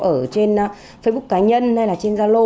ở trên facebook cá nhân hay là trên gia lô